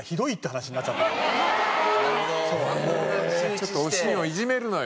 ちょっとおしんをいじめるのよ。